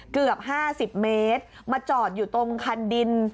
เกือบ๕๐เมตรมาจอดอยู่ตรงคันดิน